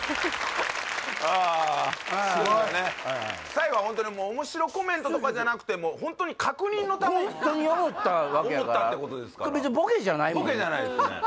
最後はホントにもう面白コメントとかじゃなくてホントに確認のために思ったってことですからボケじゃないもんボケじゃないですね